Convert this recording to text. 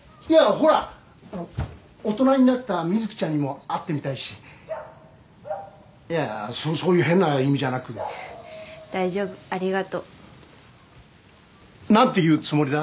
ほらあの大人になった瑞貴ちゃんにも会ってみたいしいやそういう変な意味じゃなく大丈夫ありがとうなんて言うつもりだ？